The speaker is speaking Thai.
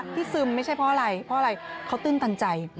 ซึมไม่ใช่เพราะอะไรเพราะอะไรเขาตื้นตันใจ